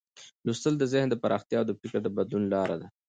لوستل د ذهن د پراختیا او د فکر د بدلون لار ده.